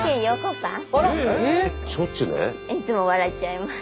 いつも笑っちゃいます。